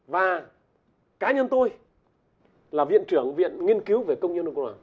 và cá nhân tôi là viện trưởng viện nghiên cứu về công nhân lao động